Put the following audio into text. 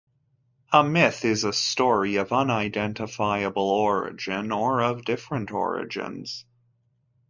A myth is a story of unidentifiable origin, or of different origins.